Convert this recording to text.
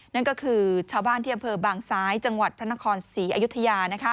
นั่นก็คือชาวบ้านที่อำเภอบางซ้ายจังหวัดพระนครศรีอยุธยา